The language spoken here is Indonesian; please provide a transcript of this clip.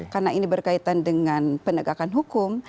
karena ini berkaitan dengan penegakan hukum